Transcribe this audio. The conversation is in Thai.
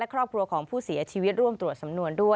ครอบครัวของผู้เสียชีวิตร่วมตรวจสำนวนด้วย